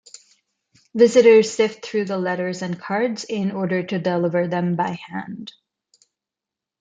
Visitors sift through the letters and cards in order to deliver them by hand.